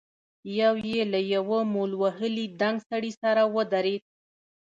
يو يې له يوه مول وهلي دنګ سړي سره ودرېد.